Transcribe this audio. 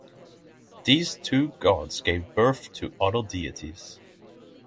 These two gods gave birth to other deities.